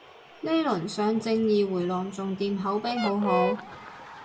呢輪上正義迴廊仲掂，口碑好好